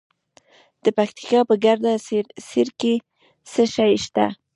د پکتیا په ګرده څیړۍ کې څه شی شته؟